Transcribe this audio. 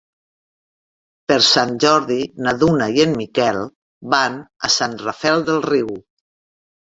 Per Sant Jordi na Duna i en Miquel van a Sant Rafel del Riu.